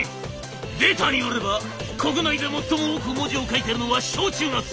「データによれば国内で最も多く文字を書いてるのは小中学生。